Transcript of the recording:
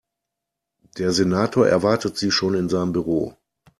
Der Senator erwartet Sie schon in seinem Büro.